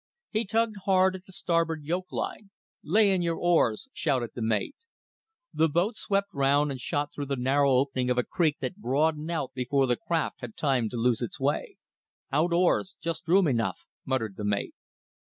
He tugged hard at the starboard yoke line. "Lay in your oars!" shouted the mate. The boat swept round and shot through the narrow opening of a creek that broadened out before the craft had time to lose its way. "Out oars! ... Just room enough," muttered the mate.